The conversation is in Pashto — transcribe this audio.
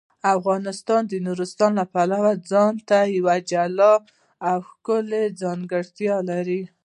افغانستان د نورستان د پلوه ځانته یوه جلا او ښکلې ځانګړتیا لري.